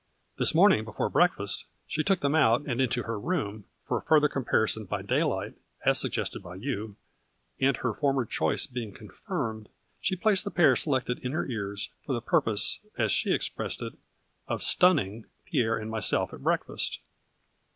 "This morning before breakfast she took them out, and into her room, for a further comparison by daylight, as suggested by you, and, her former choice being confirmed, she placed the pair selected in her ears, for the purpose, as she expressed it, of * stunning 9 Pierre and myself at breakfast.